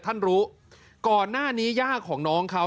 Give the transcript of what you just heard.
ท่านรู้ก่อนหน้านี้ย่าของน้องเขา